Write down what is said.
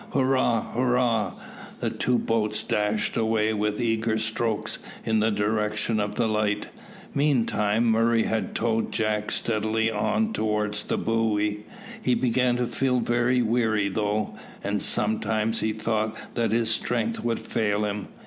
"Hurrah! hurrah!" The two boats dashed away, with eager strokes, in the direction of the light. Meantime Murray had towed Jack steadily on towards the buoy. He began to feel very weary though, and sometimes he thought that his strength would fail him.